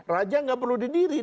raja gak perlu didiri